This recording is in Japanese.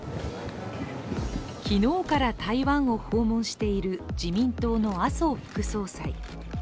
昨日から台湾を訪問している自民党の麻生副総裁。